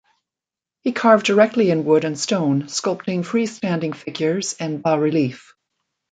He carved directly in wood and stone, sculpting free-standing figures and bas relief.